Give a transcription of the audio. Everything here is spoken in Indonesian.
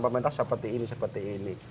pemerintah seperti ini seperti ini